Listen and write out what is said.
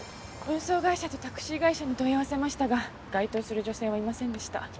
運送会社とタクシー会社に問い合わせましたが該当する女性はいませんでした。